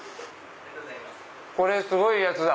これすごいやつだ！